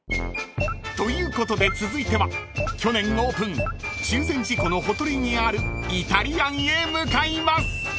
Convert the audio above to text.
［ということで続いては去年オープン中禅寺湖のほとりにあるイタリアンへ向かいます］